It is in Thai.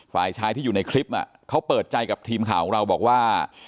ฝ่ายชายที่อยู่ในคลิปเขาเปิดใจกับทีมข่าวของเราบอกว่า